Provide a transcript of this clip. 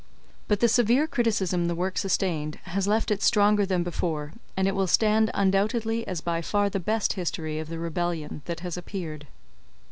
But the severe criticism the work sustained, has left it stronger than before, and it will stand undoubtedly as by far the best history of the "Rebellion" that has appeared.